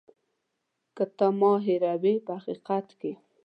که ته ما هېروې په حقیقت کې.